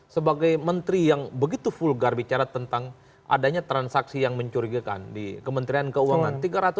sebagai menteri yang begitu vulgar bicara tentang adanya transaksi yang mencurigakan di kementerian keuangan